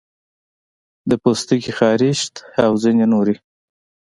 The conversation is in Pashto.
د پوستکي خارښت او ځینې نورې